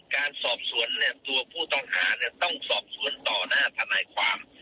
การสอบสวนตัวผู้ต้องหาต้องสอบสวนต่อหน้าทนายความ